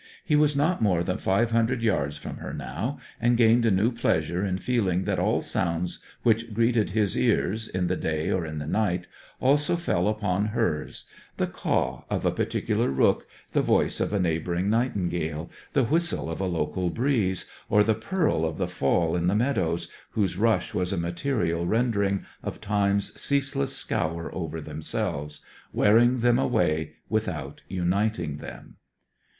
He was not more than five hundred yards from her now, and gained a new pleasure in feeling that all sounds which greeted his ears, in the day or in the night, also fell upon hers the caw of a particular rook, the voice of a neighbouring nightingale, the whistle of a local breeze, or the purl of the fall in the meadows, whose rush was a material rendering of Time's ceaseless scour over themselves, wearing them away without uniting them.